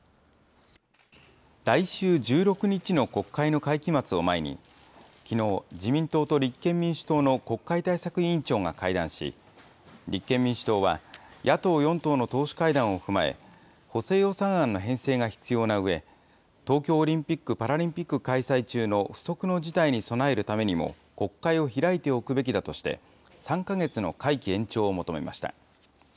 来週１６日の国会の会期末を前に、きのう、自民党と立憲民主党の国会対策委員長が会談し、立憲民主党は、野党４党の党首会談を踏まえ、補正予算案の編成が必要なうえ、東京オリンピック・パラリンピック開催中の不測の事態に備えるためにも、国会を開いておくべきだとして３か月の会期延長を求めました。